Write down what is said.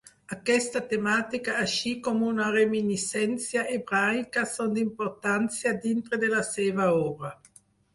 Aquesta temàtica així com una reminiscència hebraica són d'importància dintre de la seva obra.